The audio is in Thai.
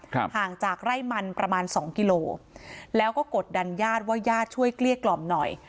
ห่างจากไร่มันประมาณสองกิโลแล้วก็กดดันญาติว่าญาติช่วยเกลี้ยกล่อมหน่อย